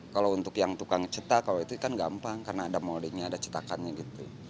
kalau untuk yang tukang cetak kalau itu kan gampang karena ada molinya ada cetakannya gitu